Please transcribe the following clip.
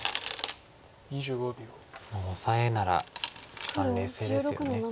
もうオサエなら一番冷静ですよね。